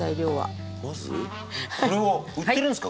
まずこれは売ってるんですか？